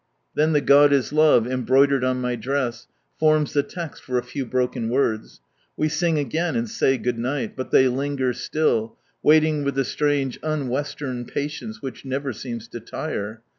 Then the " God is Love," embroidered on my dress, forms the text for a few broken words. We sing again and say "Good night"; but they linger still, wait ing with (he strange un Western patience which never seems to tire.